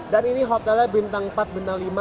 dan ini hotelnya bintang empat bintang lima